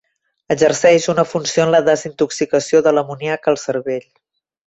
Exerceix una funció en la desintoxicació de l'amoníac al cervell.